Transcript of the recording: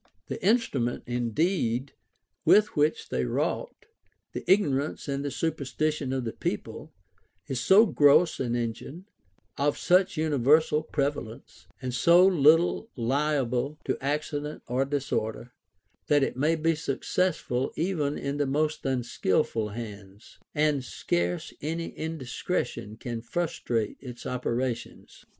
The instrument, indeed, with which they wrought, the ignorance and superstition of the people, is so gross an engine, of such universal prevalence, and so little liable to accident or disorder, that it may be successful even in the most unskilful hands; and scarce any indiscretion can frustrate its operations.